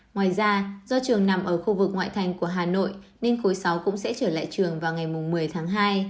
ngoài ra do trường nằm ở khu vực ngoại thành của hà nội nên khối sáu cũng sẽ trở lại trường vào ngày một mươi tháng hai